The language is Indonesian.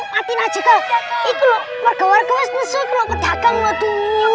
hai hai tahu tahu